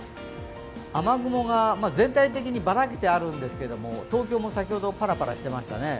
雨雲が全体的にばらけてあるんですけど、東京も先ほどぱらぱらしていましたね。